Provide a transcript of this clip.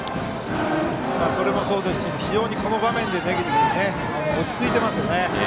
それもそうですし非常に、この場面で落ち着いてますよね。